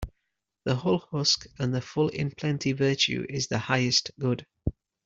The hull husk and the full in plenty Virtue is the highest good.